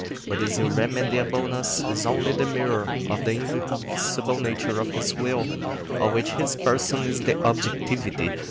But this irremediableness is only the mirror of the invincible nature of his will, of which his person is the objectivity.